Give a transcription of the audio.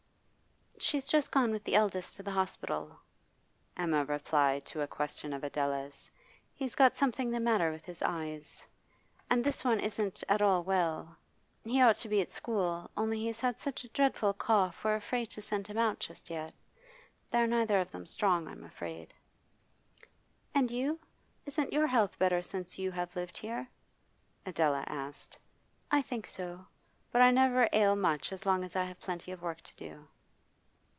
'She's just gone with the eldest to the hospital,' Emma replied to a question of Adela's. 'He's got something the matter with his eyes. And this one isn't at all well. He ought to be at school, only he's had such a dreadful cough we're afraid to send him out just yet. They're neither of them strong, I'm afraid.' 'And you isn't your health better since you have lived here?' Adela asked. 'I think so. But I never ail much as long as I have plenty of work to do.